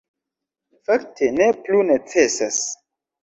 Fakte, ne plu necesas.